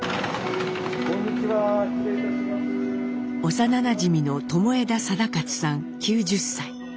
幼なじみの友枝貞勝さん９０歳。